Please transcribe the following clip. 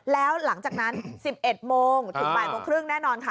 แล้วหลังจากนั้น๑๑โมงถึง๘๓๐แน่นอนค่ะ